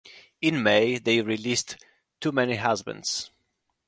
In May they released "Too Many Husbands".